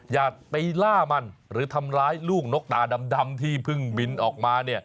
อย่าไปล่ามันหรือทำร้ายลูกนกตาดำที่เพิ่งบินออกมา